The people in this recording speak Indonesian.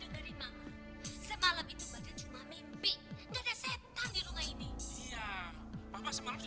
tidak ada hubungan lain kami